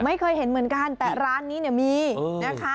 ไม่เคยเห็นเหมือนกันแต่ร้านนี้เนี่ยมีนะคะ